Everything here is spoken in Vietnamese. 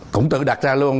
cũng tự đặt ra luôn